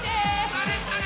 それそれ！